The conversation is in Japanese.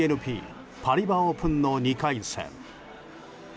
ＢＮＰパリバ・オープンの２回戦。